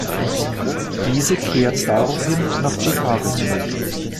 Diese kehrt darauf hin nach Chicago zurück.